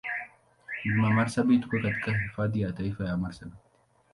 Mlima Marsabit uko katika Hifadhi ya Taifa ya Marsabit.